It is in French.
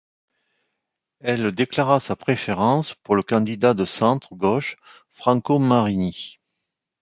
Elle déclara sa préférence pour le candidat de centre-gauche Franco Marini.